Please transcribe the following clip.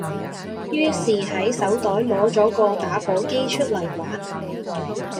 於是就喺手袋攞咗個打火機出嚟玩